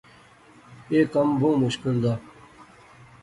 ایہہ کم بہوں مشکل زا